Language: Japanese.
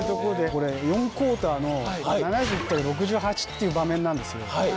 これ４クオーターの７０対６８っていう場面なんですよ。